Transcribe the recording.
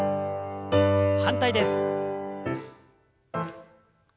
反対です。